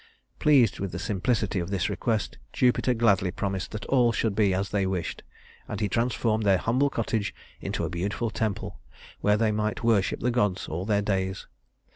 Pleased with the simplicity of this request, Jupiter gladly promised that all should be as they wished; and he transformed their humble cottage into a beautiful temple, where they might worship the gods all their days.